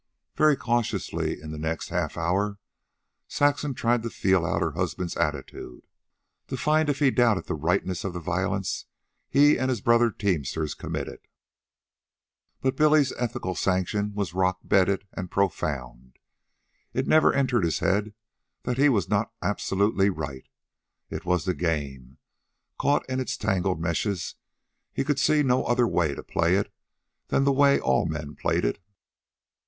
Very cautiously, in the next half hour, Saxon tried to feel out her husband's attitude, to find if he doubted the rightness of the violence he and his brother teamsters committed. But Billy's ethical sanction was rock bedded and profound. It never entered his head that he was not absolutely right. It was the game. Caught in its tangled meshes, he could see no other way to play it than the way all men played it.